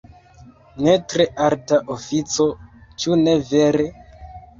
Ne tre alta ofico, ĉu ne vere?